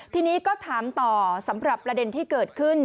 ทีนี้ก็ถามต่อสำหรับประเด็นที่เกิดขึ้น